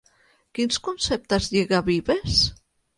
Quins conceptes lliga Vives?